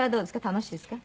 楽しいですか？